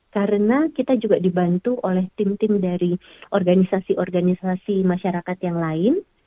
karena kita juga dibantu oleh tim tim dari organisasi organisasi masyarakat yang lain